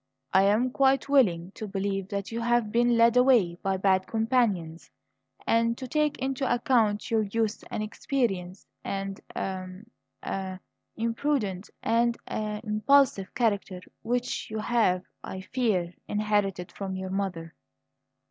"I am quite willing to believe that you have been led away by bad companions, and to take into account your youth and inexperience and the a a imprudent and a impulsive character which you have, I fear, inherited from your mother."